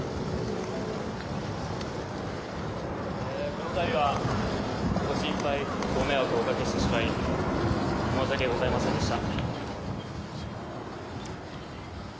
この度は、ご心配ご迷惑をおかけしてしまい申し訳ございませんでした。